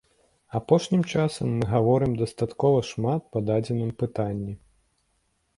Апошнім часам мы гаворым дастаткова шмат па дадзеным пытанні.